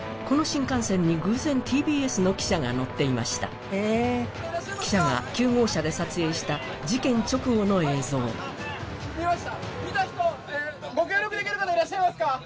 この新幹線に偶然ＴＢＳの記者が乗っていました記者が９号車で撮影した事件直後の映像見ました？